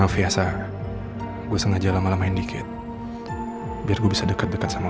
maaf ya sa gue sengaja lama lamain dikit biar gue bisa deket deket sama lo